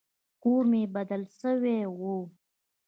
کور مو بدل سوى و.